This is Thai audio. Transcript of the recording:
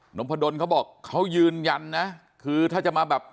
มพดลเขาบอกเขายืนยันนะคือถ้าจะมาแบบ